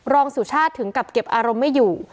สุชาติถึงกับเก็บอารมณ์ไม่อยู่